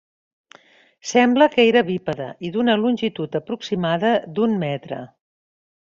Sembla que era bípede i d'una longitud aproximada d'un metre.